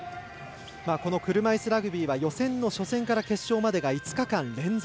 この車いすラグビーは予選の初戦から決勝までが５日間連続。